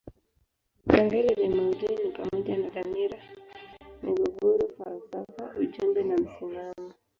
Vipengele vya maudhui ni pamoja na dhamira, migogoro, falsafa ujumbe na msimamo.